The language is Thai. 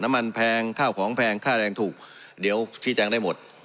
แพงข้าวของแพงค่าแรงถูกเดี๋ยวชี้แจงได้หมด